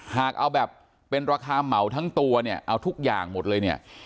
หากเอาแบบเป็นราคาเหมาทั้งตัวเนี่ยเอาทุกอย่างหมดเลยเนี่ย